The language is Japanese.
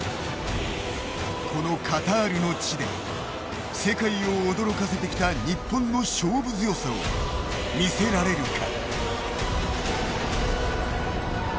このカタールの地で世界を驚かせてきた日本の勝負強さを見せられるか。